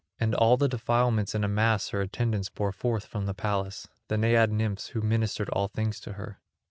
And all the defilements in a mass her attendants bore forth from the palace—the Naiad nymphs who ministered all things to her.